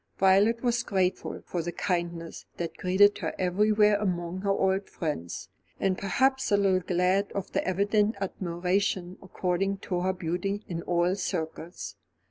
Violet was grateful for the kindness that greeted her everywhere among her old friends, and perhaps a little glad of the evident admiration accorded to her beauty in all circles.